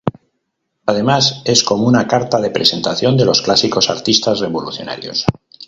Además es como una carta de presentación de los clásicos artistas revolucionarios.